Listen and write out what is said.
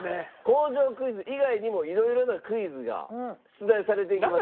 工場クイズ以外にも色々なクイズが出題されていきますので。